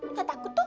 nggak takut tuh